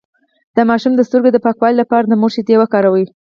د ماشوم د سترګو د پاکوالي لپاره د مور شیدې وکاروئ